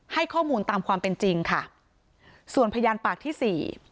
ให้ข้อมูลตามความเป็นจริงค่ะส่วนพยานปากที่สี่